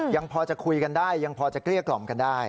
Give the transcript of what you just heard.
ยังพอจะคุยกันได้ยังพอจะเกลี้ยกล่อมกันได้